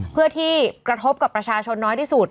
เพื่อที่กระทบกับประชาชนน้อยที่สุด